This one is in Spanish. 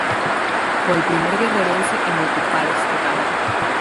Fue el primer guerrerense en ocupar este cargo.